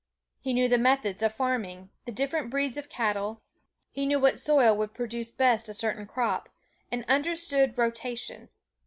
He knew the methods of farming, the different breeds of cattle; he knew what soil would produce best a certain crop, and understood "rotation."